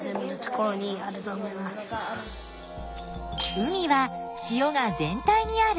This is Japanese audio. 海は塩が全体にある。